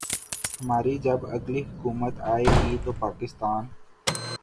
ہماری جب اگلی حکومت آئے گی تو پاکستان